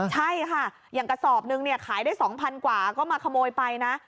ใช่ค่ะอย่างกระสอบนึงเนี่ยขายได้๒๐๐กว่าก็มาขโมยไปนะ